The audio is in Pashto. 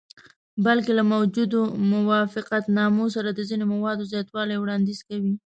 بلکې له موجودو موافقتنامو سره د ځینو موادو زیاتولو وړاندیز کوي.